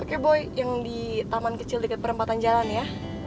oke boy yang di taman kecil dekat perempatan jalan ya